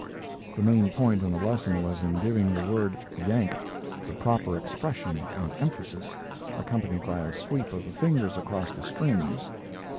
The main point in the lesson was in giving to the word "yanked" the proper expression and emphasis, accompanied by a sweep of the fingers across the strings.